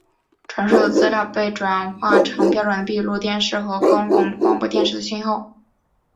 传输的资料被转换成标准的闭路电视和公共广播电视的讯号。